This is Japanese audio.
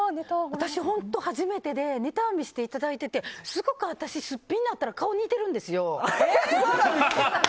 私、本当初めてでネタは見せていただいててすごく私、すっぴんになったら顔が似てるんですよ。